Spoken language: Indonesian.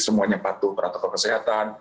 semuanya patuh protokol kesehatan